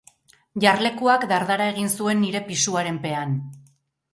Jarlekuak dardara egin zuen nire pisuaren pean.